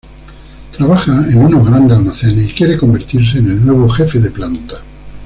Trabaja en unos grandes almacenes y quiere convertirse en el nuevo Jefe de planta.